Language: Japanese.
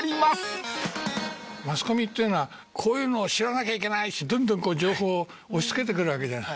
マスコミというのはこういうのを知らなきゃいけないどんどんこう情報を押し付けてくるわけじゃない。